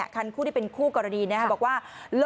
คันคู่ที่เป็นคู่กรณีบอกว่า